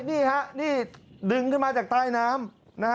นี่ฮะนี่ดึงขึ้นมาจากใต้น้ำ